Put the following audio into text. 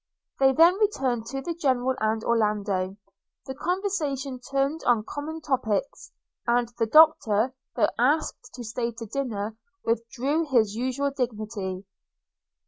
They then returned to the General and Orlando – the conversation turned on common topics; and the Doctor, though asked to stay dinner, withdrew with his usual dignity.